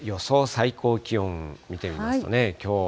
最高気温見てみますとね、きょうは。